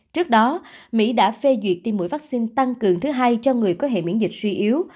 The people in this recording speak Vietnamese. trước đó mỹ đã phê duyệt tiêm mũi vaccine tăng cường thứ hai cho người có hệ miễn dịch suy yếu